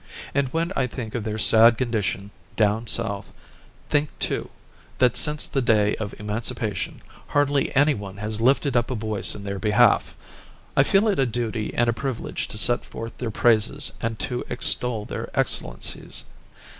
And when I think of their sad condition down South; think, too, that since the day of emancipation hardly any one has lifted up a voice in their behalf, I feel it a duty and a privilege to set forth their praises and to extol their excellencies.